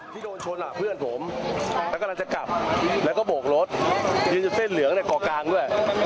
ที่โดนชนเพื่อนผมแล้วกำลังจะกลับแล้วก็โบกรถยืนจนเส้นเหลืองในเกาะกลางด้วย